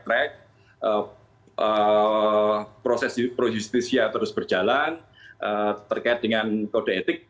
proyek proyek proses projustisia terus berjalan terkait dengan kode etik